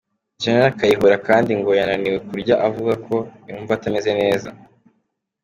Gen Kayihura kandi ngo yananiwe kurya avuga ko yumva atameze neza.